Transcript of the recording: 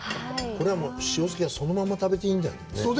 これは塩漬けはそのまま食べていいんだよね。